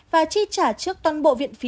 và chi trả trước toàn bộ viện phí